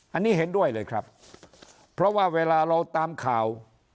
อันนี้เห็นด้วยเลยครับเพราะว่าเวลาเราตามข่าว